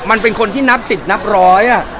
เป็นคนที่นับสิทธิ์นับร้อย